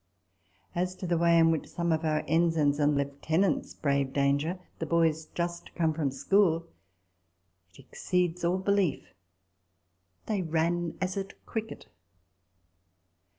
As to the way in which some of our ensigns and lieutenants braved danger the boys just come from school it exceeds all belief. They ran as at cricket.